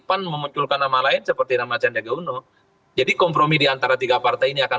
pan memunculkan nama lain seperti nama candega uno jadi kompromi diantara tiga partai ini akan